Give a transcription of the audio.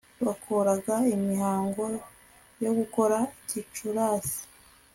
bakoraga imihango yo gukura gicurasi